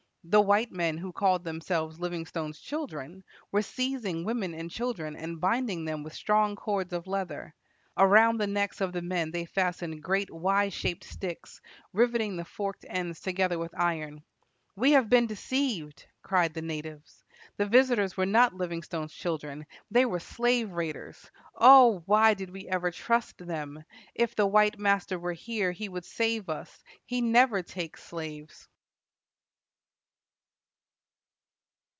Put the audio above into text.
The white men, who called themselves Livingstone's children, were seizing women and children, and binding them with strong cords of leather. Around the necks of the men they fastened great Y shaped sticks, riveting the forked ends together with iron. "We have been deceived," cried the natives. "The visitors were not Livingstone's children. They were slave raiders. O! why did we ever trust them? If the white master were here, he would save us. He never takes slaves."